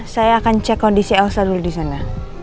saya akan cek kondisi elsa dulu disana